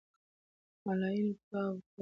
ملاینو دعا ورته وکړه.